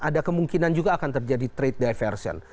ada kemungkinan juga akan terjadi trade diversion